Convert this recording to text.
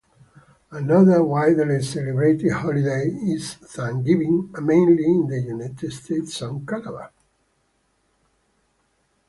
Another widely celebrated holiday is Thanksgiving, mainly in the United States and Canada.